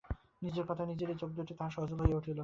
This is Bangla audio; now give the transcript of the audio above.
নিজের কথায় নিজেরই চোখদুটি তাহার সজল হইয়া উঠিল।